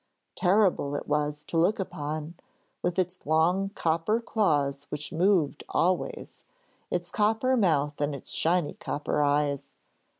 Terrible it was to look upon, with its long copper claws which moved always, its copper mouth and its shiny copper eyes.